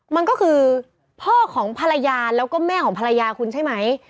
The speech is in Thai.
มันก็คือพ่อของภรรยาแล้วก็แม่ของภรรยาคุณใช่ไหม